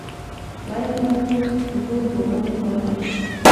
وېل دا خو د ښو ځوانانو کار دی.